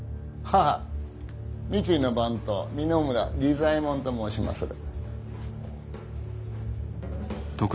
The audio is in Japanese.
三井の番頭三野村利左衛門と申しまする。